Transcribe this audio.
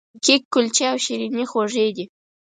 کیک، کلچې او شیریني خوږې دي.